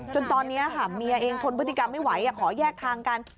จนตอนนี้ค่ะเมียเองทนพฤติกรรมไม่ไหวขอแยกทางกัน